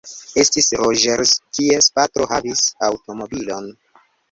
Estis Roĝers, kies patro havis aŭtomobilon.